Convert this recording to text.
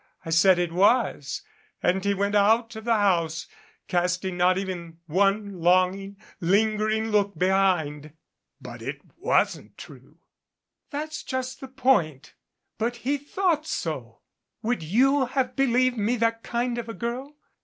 I said it was and he went out of the house casting not even one longing, lingering look behind !" "But it wasn't true." "That's just the point but he thought so. Would you have believed me that kind of a girl?